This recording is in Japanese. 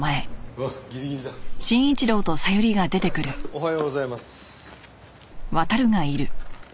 おはようございます。